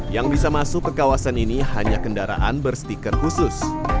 yang bisa masuk ke kawasan ini hanya kendaraan berstiker khusus